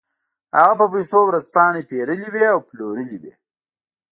هغه په پیسو ورځپاڼې پېرلې وې او پلورلې وې